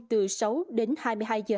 từ sáu đến hai mươi hai giờ